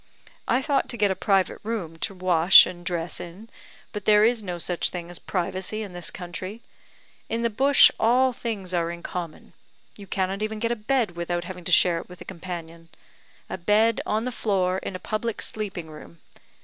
I thought to get a private room to wash and dress in, but there is no such thing as privacy in this country. In the bush, all things are in common; you cannot even get a bed without having to share it with a companion. A bed on the floor in a public sleeping room!